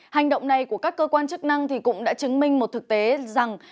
hành động này của các cơ quan chức năng cũng đã chứng minh một thực tế rằng